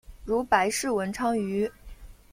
如白氏文昌鱼。